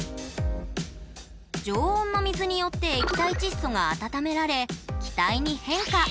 常温の水によって液体窒素が温められ気体に変化。